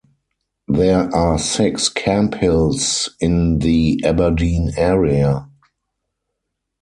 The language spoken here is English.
There are six Camphills in the Aberdeen area.